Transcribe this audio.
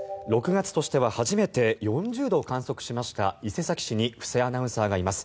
６月としては初めて４０度を観測しました伊勢崎市に布施アナウンサーがいます。